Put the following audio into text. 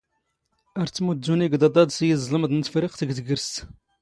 ⴰⵔ ⵜⵜⵎⵓⴷⴷⵓⵏ ⵉⴳⴹⴰⴹ ⴰⴷ ⵙ ⵢⵉⵥⵥⵍⵎⴹ ⵏ ⵜⴼⵔⵉⵇⵜ ⴳ ⵜⴳⵔⵙⵜ.